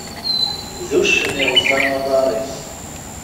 D uccen iɣeẓẓan aḍar-is.